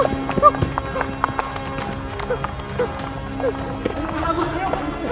pergi pergi pergi